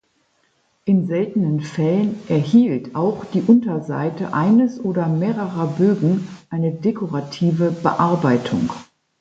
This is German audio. In seltenen Fällen erhielt auch die Unterseite eines oder mehrerer Bögen eine dekorative Bearbeitung.